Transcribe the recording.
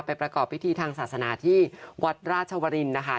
ประกอบพิธีทางศาสนาที่วัดราชวรินนะคะ